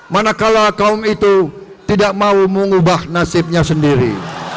manakala kaum itu tidak mau mengubah nasibnya sendiri